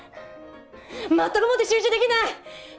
全くもって集中できない。